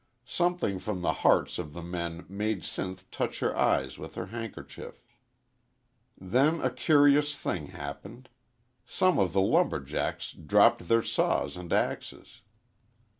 Something from the hearts of the men made Sinth touch her eyes with her handkerchief. Then a curious thing happened. Some of the lumber jacks dropped their saws and axes.